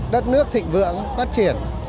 đất nước thịnh vượng phát triển